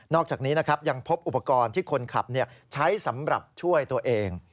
อกจากนี้นะครับยังพบอุปกรณ์ที่คนขับใช้สำหรับช่วยตัวเอง